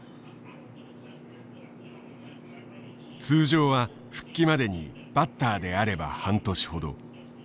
通常は復帰までにバッターであれば半年ほど。